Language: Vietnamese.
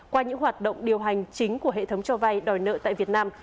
qua những hoạt động điều hành chính của hệ thống cho vay đòi nợ tại việt nam